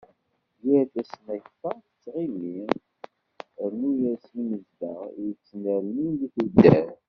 Yir tasnakta tɣemmi, rnu-as imezdaɣ i yettnernin di tuddar.